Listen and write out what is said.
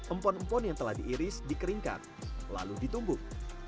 empon empon yang telah diiris dikeringkan lalu ditumbuk